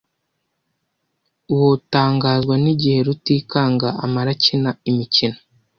Wotangazwa nigihe Rutikanga amara akina imikino.